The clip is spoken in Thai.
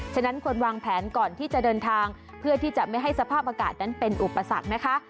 ฉะนั้นควรวางแผนก่อนที่จะเดินทางเพื่อที่จะไม่ให้สภาพอากาศนั้นเป็นอุปสรรคนะคะ